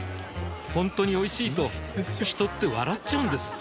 ほんとにおいしいと人って笑っちゃうんです